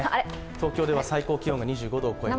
東京では最高気温が２５度を超えて。